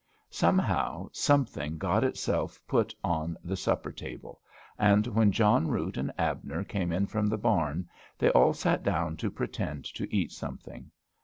Somehow, something got itself put on the supper table; and, when John Root and Abner came in from the barn, they all sat down to pretend to eat something.